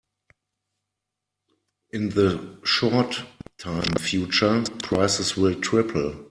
In the short term future, prices will triple.